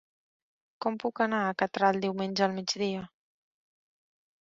Com puc anar a Catral diumenge al migdia?